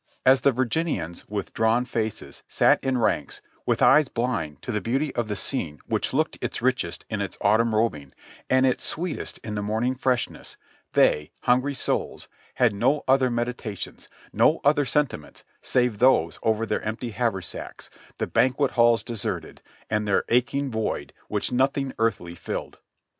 As the Virginians with drawn faces sat in ranks, with eyes blind to the beauty of the scene which looked its richest m its autumn robing, and its sweetest in the morning freshness, they, hungry souls, had no other meditations, no other sentiments save those over their empty haversacks, the banquet halls deserted, and their "aching void," which nothing earthly filled.